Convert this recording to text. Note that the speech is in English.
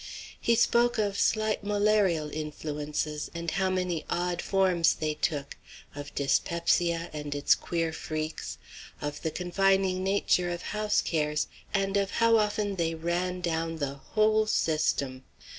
He spoke of slight malarial influences, and how many odd forms they took; of dyspepsia and its queer freaks; of the confining nature of house cares, and of how often they "ran down the whole system."